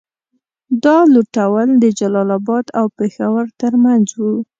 دا لوټول د جلال اباد او پېښور تر منځ وو.